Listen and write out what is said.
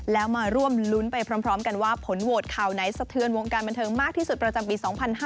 แล้วมาร่วมลุ้นไปพร้อมกันว่าผลโหวตข่าวไหนสะเทือนวงการบันเทิงมากที่สุดประจำปี๒๕๕๙